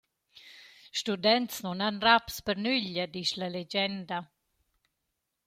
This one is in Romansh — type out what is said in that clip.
Students nun han raps per nüglia, disch la legenda.